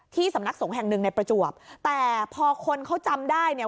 สำนักสงฆ์แห่งหนึ่งในประจวบแต่พอคนเขาจำได้เนี่ย